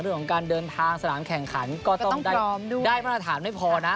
เรื่องของการเดินทางสนามแข่งขันก็ต้องได้มาตรฐานไม่พอนะ